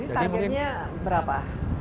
ini targetnya berapa